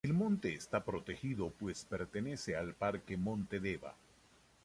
El monte está protegido pues pertenece al Parque Monte Deva.